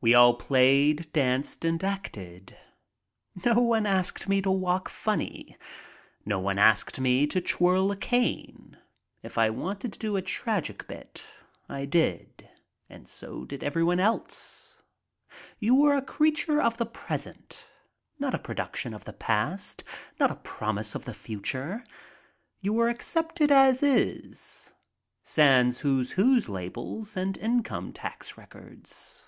We all played, danced, and acted. No one asked me tc walk funny, no one asked me to twirl a cane. If I wanted to do a tragic bit, I did, and so did everyone else. You were a creature of the present, not a production of the past, not a promise of the future. You were accepted as is, sans "Who's Who" labels and income tax records.